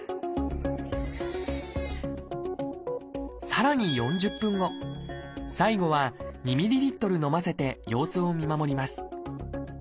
さらに４０分後最後は２ｍＬ飲ませて様子を見守ります。